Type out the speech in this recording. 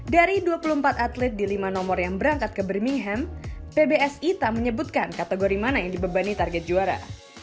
dari dua puluh empat atlet di lima nomor yang berangkat ke birmingham pbsi tak menyebutkan kategori mana yang dibebani target juara